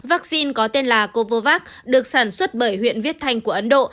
vaccine có tên là covovac được sản xuất bởi huyện viết thanh của ấn độ